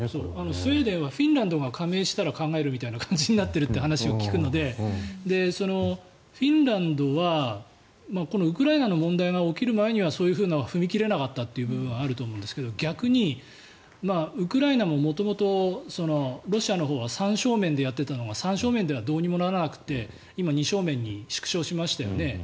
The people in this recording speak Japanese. スウェーデンはフィンランドが加盟したら考えるみたいな話も聞くのでフィンランドはこのウクライナの問題が起きる前にはそういうふうなことに踏み切れなかった部分はあると思うんですが逆に、ウクライナも元々、ロシアのほうは三正面でやっていたのが三正面ではどうにもならなくて今、二正面に縮小しましたよね。